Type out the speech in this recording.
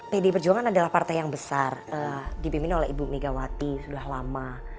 pdi perjuangan adalah partai yang besar dipimpin oleh ibu megawati sudah lama